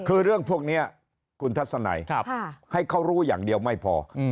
คือเรื่องพวกนี้คุณทัศนัยให้เขารู้อย่างเดียวไม่พอ